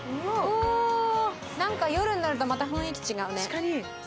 何か夜になるとまた雰囲気違うね